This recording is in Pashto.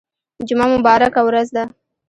جمعه مبارکه ورځ ده